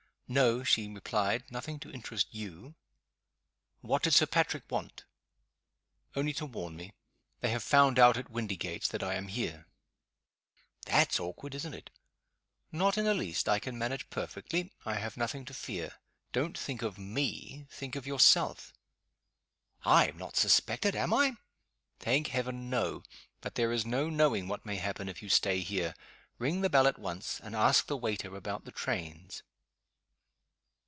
"No," she replied. "Nothing to interest you." "What did Sir Patrick want?" "Only to warn me. They have found out at Windygates that I am here." "That's awkward, isn't it?" "Not in the least. I can manage perfectly; I have nothing to fear. Don't think of me think of yourself." "I am not suspected, am I?" "Thank heaven no. But there is no knowing what may happen if you stay here. Ring the bell at once, and ask the waiter about the trains."